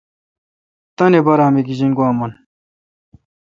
تانی بارہ می گیجنگوا من